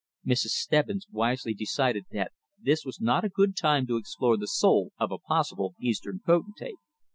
Mrs. Stebbins wisely decided that this was not a good time to explore the soul of a possible Eastern potentate.